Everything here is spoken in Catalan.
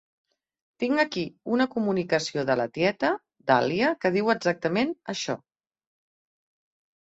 Tinc aquí una comunicació de la tieta Dahlia que diu exactament això.